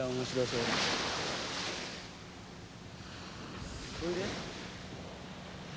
それで？